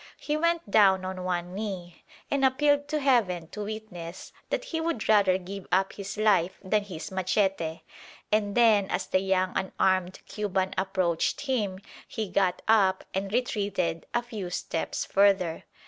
He went down on one knee and appealed to heaven to witness that he would rather give up his life than his machete; and then, as the young unarmed Cuban approached him, he got up and retreated a few steps further.